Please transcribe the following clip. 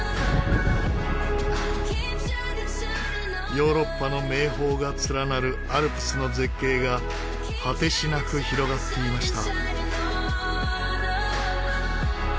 ヨーロッパの名峰が連なるアルプスの絶景が果てしなく広がっていました。